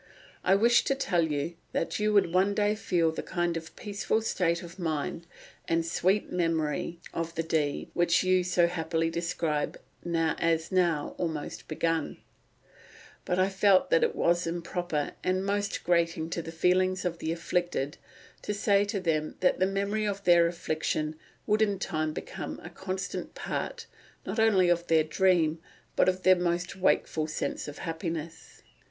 I wished to tell you that you would one day feel the kind of peaceful state of mind and sweet memory of the dead which you so happily describe as now almost begun; but I felt that it was improper, and most grating to the feelings of the afflicted, to say to them that the memory of their affliction would in time become a constant part, not only of their dream, but of their most wakeful sense of happiness.